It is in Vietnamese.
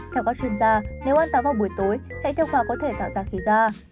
theo các chuyên gia nếu ăn táo vào buổi tối hãy tiêu hóa có thể tạo ra khí da